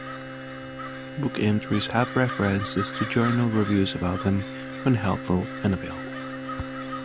Book entries have references to journal reviews about them when helpful and available.